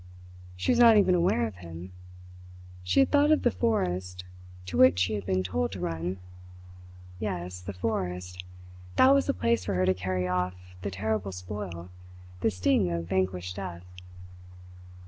She was not even aware of him. She had thought of the forest, to which she had been told to run. Yes, the forest that was the place for her to carry off the terrible spoil, the sting of vanquished death.